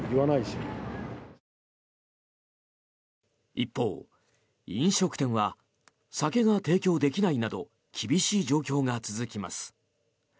一方、飲食店は酒が提供できないなど厳しい状況が続きます。